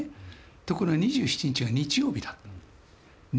ところが２７日が日曜日だ。